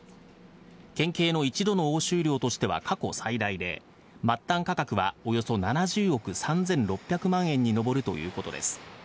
県警の一度の押収量としては過去最大で、末端価格はおよそ７０億３６００万円に上るということです。